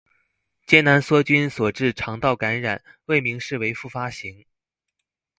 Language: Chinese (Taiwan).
艱難梭菌所致腸道感染，未明示為復發型